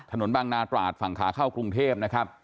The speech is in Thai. ถนนบางนาตราดฝั่งขาเข้ากรุงเทพนะครับ